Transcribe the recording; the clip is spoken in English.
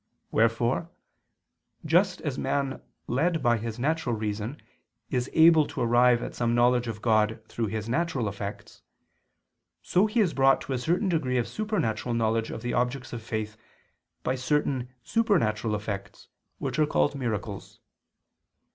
Wherefore just as man led by his natural reason is able to arrive at some knowledge of God through His natural effects, so is he brought to a certain degree of supernatural knowledge of the objects of faith by certain supernatural effects which are called miracles.